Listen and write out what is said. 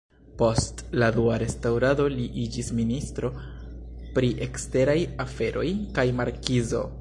Post la Dua restaŭrado li iĝis ministro pri eksteraj aferoj kaj markizo.